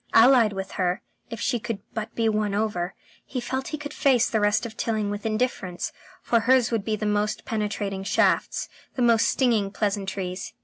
Allied with her, if she could but be won over, he felt he could face the rest of Tilling with indifference, for hers would be the most penetrating shafts, the most stinging pleasantries.